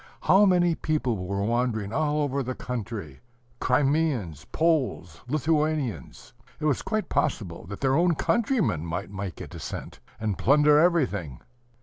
How many people were wandering all over the country, Crimeans, Poles, Lithuanians! It was quite possible that their own countrymen might make a descent, and plunder everything.